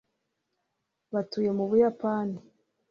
batuye mu buyapani